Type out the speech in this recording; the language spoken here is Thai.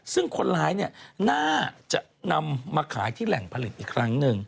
ซึ่งคนร้ายน่าจะนำมาขายที่แหล่งผลิตอีกครั้งหนึ่ง